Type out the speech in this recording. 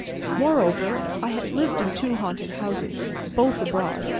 Moreover, I had lived in two haunted houses—both abroad.